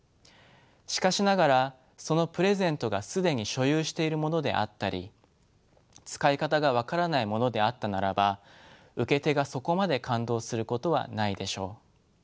しかしながらそのプレゼントが既に所有しているものであったり使い方が分からないものであったならば受け手がそこまで感動することはないでしょう。